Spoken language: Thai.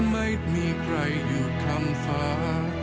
ไม่มีใครอยู่ทางฟ้า